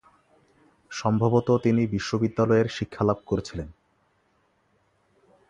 সম্ভবত তিনি বিশ্ববিদ্যালয়ের শিক্ষা লাভ করেছিলেন।